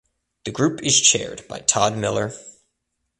The group is chaired by Todd Miller.